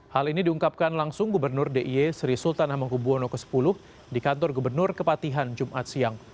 hal ini diungkapkan langsung gubernur d i e sri sultan hamengkubwono x di kantor gubernur kepatihan jumat siang